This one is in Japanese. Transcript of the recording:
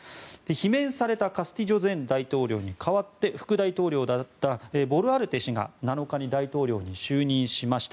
罷免されたカスティジョ前大統領に代わって副大統領だったボルアルテ氏が７日に大統領に就任しました。